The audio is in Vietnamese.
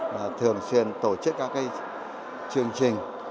và thường xuyên tổ chức các cái chương trình